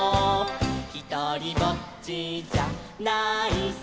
「ひとりぼっちじゃないさ」